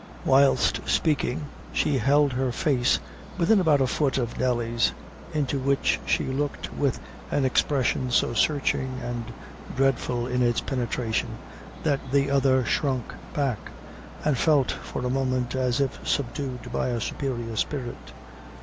Whilst speaking, she held her face within about a foot of Nelly's, into which she looked with an expression so searching and dreadful in its penetration, that the other shrunk back, and felt for a moment as if subdued by a superior spirit.